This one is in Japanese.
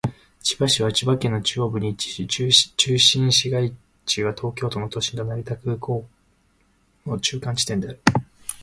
千葉市は千葉県の中央部に位置し、中心市街地は東京都の都心と成田国際空港の中間地点である。